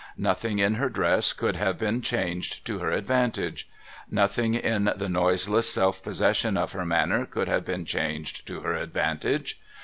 Nothing in her dress could have been changed to her advantage. Nothing in the noise less self possession of her manner could have been changed to her advantage.